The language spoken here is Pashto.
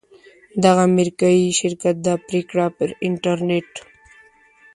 دغه امریکایي شرکت دا پریکړه پر انټرنیټ